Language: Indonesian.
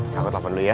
kakut lapan dulu ya